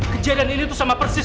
kejadian ini itu sama persis